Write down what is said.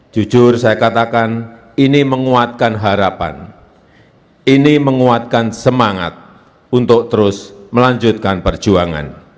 jujur saya katakan ini menguatkan harapan ini menguatkan semangat untuk terus melanjutkan perjuangan